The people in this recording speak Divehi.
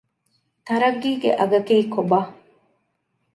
ތަރައްގީގެ އަގަކީ ކޮބާ؟